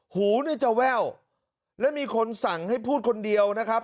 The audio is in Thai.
หูเนี่ยจะแว่วและมีคนสั่งให้พูดคนเดียวนะครับ